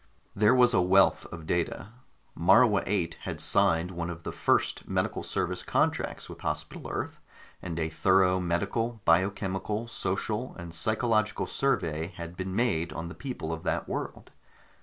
There was a wealth of data. Morua VIII had signed one of the first medical service contracts with Hospital Earth, and a thorough medical, biochemical, social and psychological survey had been made on the people of that world.